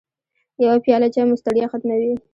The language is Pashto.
يوه پیاله چای مو ستړیا ختموي.